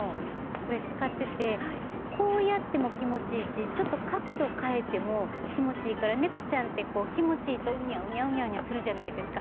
こうやっても気持ちいいし角度を変えても気持ちいいから猫ちゃんって気持ちがいいとうにゃうにゃするじゃないですか。